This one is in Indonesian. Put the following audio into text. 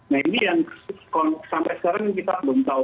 nah ini yang sampai sekarang kita belum tahu